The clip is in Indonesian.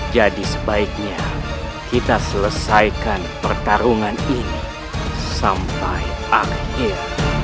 jadi sebaiknya kita selesaikan pertarungan ini sampai akhir